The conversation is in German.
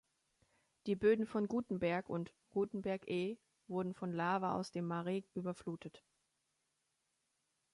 Die Böden von Gutenberg und 'Gutenberg E' wurden von Lava aus dem Mare überflutet.